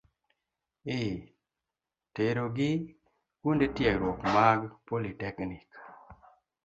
A. Terogi kuonde tiegruok mag politeknik.